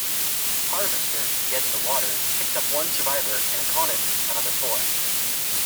"Harvester", dead in the water, picked up one survivor and "Aconit" another four.